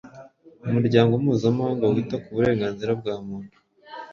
Umuryango Mpuzamahanga wita ku burenganzira bwa muntu